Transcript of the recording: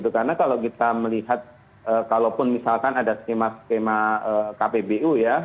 karena kalau kita melihat kalaupun misalkan ada skema skema kpbu ya